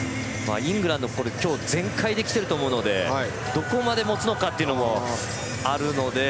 イングランドは今日全開できていると思うのでどこまでもつのかというのもあるので。